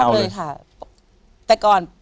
แต่ก่อนเดินไปเดินมาเดินไปเดินมา